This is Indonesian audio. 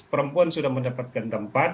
perempuan sudah mendapatkan tempat